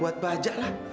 buat baca lah